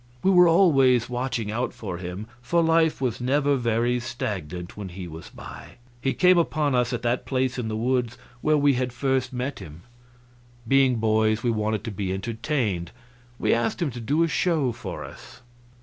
We were always watching out for him, for life was never very stagnant when he was by. He came upon us at that place in the woods where we had first met him. Being boys, we wanted to be entertained; we asked him to do a show for us.